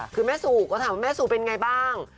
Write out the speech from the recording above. คือแม่สูตรก็ถามว่าแม่สูตรเป็นอย่างไรบ้าง